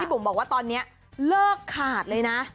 บุ๋มบอกว่าตอนนี้เลิกขาดเลยนะ